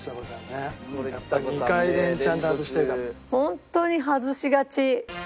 ホントに外しがち。